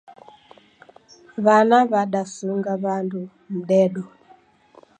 W'ana w'adasunga w'andu mdedo